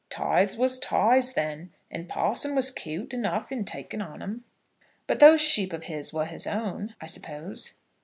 Tithes was tithes then; and parson was cute enough in taking on 'em." "But these sheep of his were his own, I suppose?"